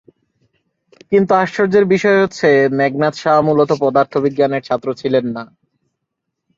কিন্তু আশ্চর্যের বিষয় হচ্ছে মেঘনাদ সাহা মূলত পদার্থবিজ্ঞানের ছাত্র ছিলেন না।